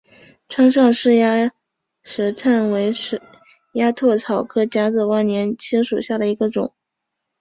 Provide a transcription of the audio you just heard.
川上氏鸭舌疝为鸭跖草科假紫万年青属下的一个种。